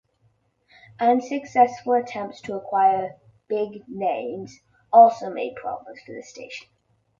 Unsuccessful attempts to acquire "big names" also made problems for the station.